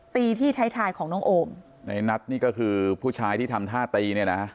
ตีที่ท้ายทายของน้องโอมในนัทนี่ก็คือผู้ชายที่ทำท่าตีเนี่ยนะ